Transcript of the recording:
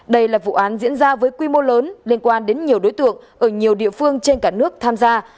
đây là vụ án diễn ra với quy mô lớn liên quan đến nhiều đối tượng ở nhiều địa phương trên cả nước tham gia